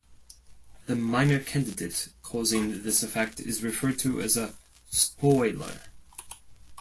The minor candidate causing this effect is referred to as a "spoiler".